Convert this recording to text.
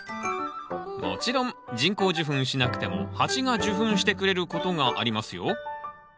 もちろん人工授粉しなくても蜂が受粉してくれることがありますよ